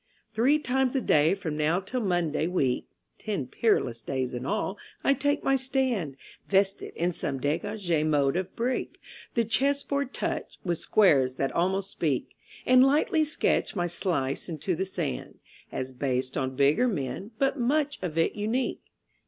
Three times a day from now till Monday week (Ten peerless days in all) I take my stand Vested in some dégagé mode of breek (The chess board touch, with squares that almost speak), And lightly sketch my Slice into the Sand, As based on bigger men, but much of it unique....